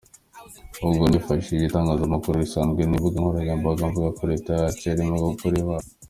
Ubwo nifashishije itangazamakuru risanzwe n’imbuga nkoranyambaga mvuga ko Leta yacu yarimo gukora ibara.